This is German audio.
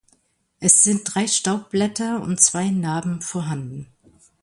Es sind drei Staubblätter und zwei Narben vorhanden.